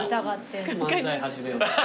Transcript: すぐ漫才始めようと。